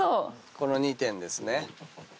この２点ですね。